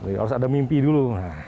harus ada mimpi dulu